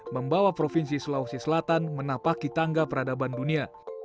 membawa provinsi sulawesi selatan menapaki tangga peradaban dunia